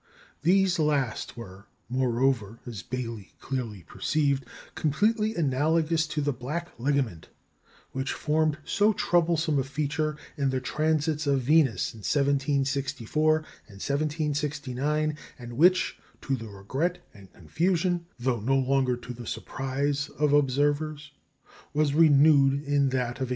" These last were, moreover (as Baily clearly perceived), completely analogous to the "black ligament" which formed so troublesome a feature in the transits of Venus in 1764 and 1769, and which, to the regret and confusion, though no longer to the surprise of observers, was renewed in that of 1874.